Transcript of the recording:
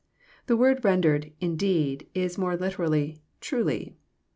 — The word rendered in deed "Is more literally, "truly."